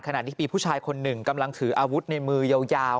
ขณะที่มีผู้ชายคนหนึ่งกำลังถืออาวุธในมือยาว